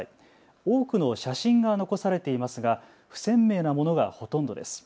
多くの写真が残されていますが不鮮明なものがほとんどです。